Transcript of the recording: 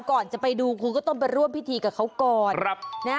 ก่อนจะไปดูคุณก็ต้องไปร่วมพิธีกับเขาก่อน